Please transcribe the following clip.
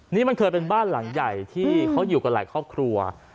นี่มันเคยเป็นบ้านหลังใหญ่ที่เขาอยู่กันหลายครอบครัว